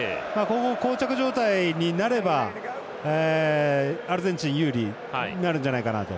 こう着状態になればアルゼンチン有利になるんじゃないかなと。